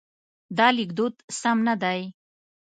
دا لیکدود سم نه دی.